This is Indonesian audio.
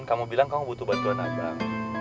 kamu bilang kamu butuh bantuan ajang